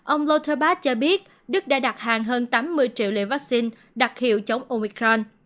ông lotharbach cho biết đức đã đặt hàng hơn tám mươi triệu liệu vaccine đặc hiệu chống omicron